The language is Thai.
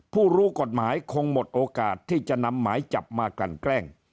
รู้กฎหมายคงหมดโอกาสที่จะนำหมายจับมากลั่นแกล้ง